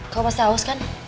kamu pasti haus kan